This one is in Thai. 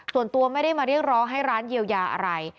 ส่วนตัวไม่ได้มาเรียกร้องให้ร้านเยียวยาอะไร